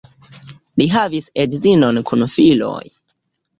Li havis edzinon kun filoj.